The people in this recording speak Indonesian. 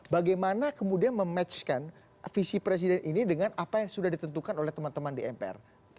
bagaimana kemudian mematchkan visi presiden ini dengan apa yang sudah ditentukan oleh teman teman di mpr